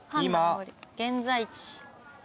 現在地。